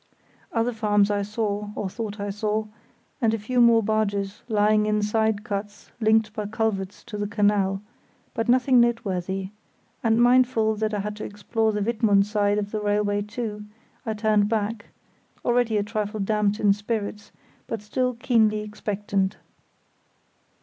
Other farms I saw, or thought I saw, and a few more barges lying in side cuts linked by culverts to the canal, but nothing noteworthy; and mindful that I had to explore the Wittmund side of the railway too, I turned back, already a trifle damped in spirits, but still keenly expectant.